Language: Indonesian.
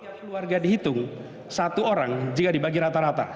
keluarga dihitung satu orang jika dibagi rata rata